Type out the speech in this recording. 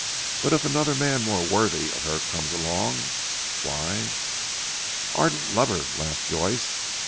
But if another man more worthy of her comes along, why " "Ardent lover!" laughed Joyce.